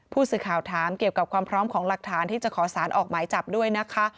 ผู้สื่อข่าวถามเกี่ยวกับความพร้อมของหลักฐานที่จะขอสารออกหมายจับด้วยนะคะ